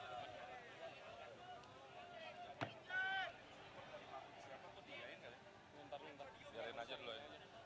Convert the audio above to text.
bapak ibu tetap duduk